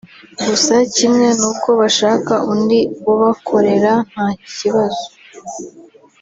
gusa kimwe n’uko bashaka undi ubakorera nta kibazo